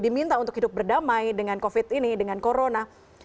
diminta untuk hidup berdamai dengan covid ini dengan corona